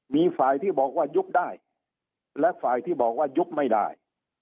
มีฝ่ายที่บอกว่ายุบได้และฝ่ายที่บอกว่ายุบไม่ได้